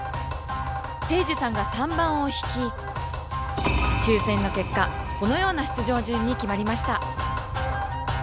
生寿さんが３番を引き抽選の結果このような出場順に決まりました。